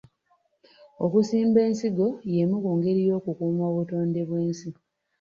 Okusimba ensigo yemu ku ngeri ey'okukuuma obutonde bw'ensi.